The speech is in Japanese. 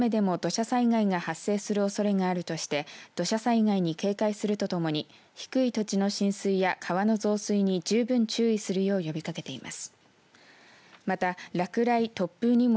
気象台はこれまでの大雨で地盤が緩んでいるところがあり少しの雨でも土砂災害が発生するおそれがあるとして土砂災害に警戒するとともに低い土地の浸水や川の増水に十分注意するよう呼びかけています。